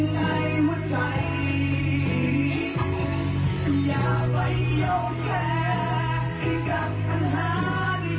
ก็พร้อมจะอบทดเกาให้สู่ลันทางฝันใคร